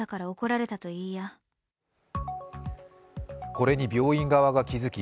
これに病院側が気付き